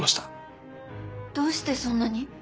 どうしてそんなに？